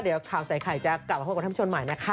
เดี๋ยวข่าวใส่ไข่จะกลับมาพบกับท่านผู้ชมใหม่นะคะ